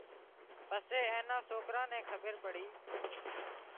پسي اين نان سوڪران نين کٻير پڙي